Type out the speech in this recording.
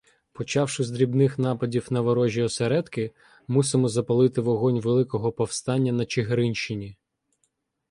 Почавши з дрібних нападів на ворожі осередки, мусимо запалити вогонь великого повстання на Чигиринщині.